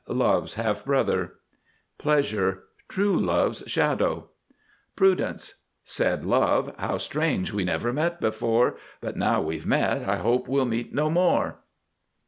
Love's half brother. PLEASURE. True Love's shadow. PRUDENCE. "Said Love: 'How strange we never met before; But now we've met, I hope we'll meet no more!